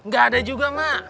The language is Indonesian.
gak ada juga emak